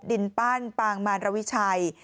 ดินปั้นปางมารวิชัย